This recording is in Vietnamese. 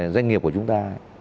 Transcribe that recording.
doanh nghiệp của chúng ta